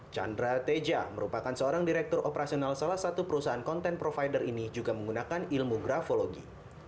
chandra teja merupakan seorang direktur operasional salah satu perusahaan konten provider ini juga menggunakan ilmu grafologi